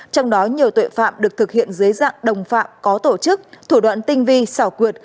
trong đó nhiều tội phạm được thực hiện dưới dạng đồng phạm có tổ chức thủ đoạn tinh vi xảo quyệt